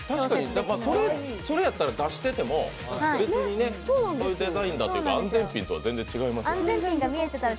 それやったら出してても別にそういうデザインなんやっていうか安全ピンとは全然違いますよ。